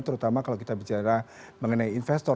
terutama kalau kita bicara mengenai investor